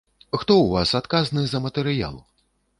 Хто ў вас адказны за матэрыял?